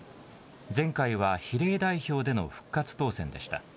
前回は比例代表での復活当選でした。